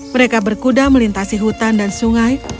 mereka berkuda melintasi hutan dan sungai